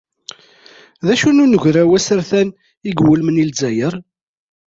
D acu n unagraw asertan i iwulmen i Lezzayer?